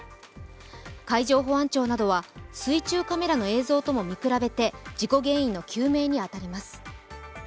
海上保安庁などは水中カメラの映像とも見比べて事故原因の究明に当たります。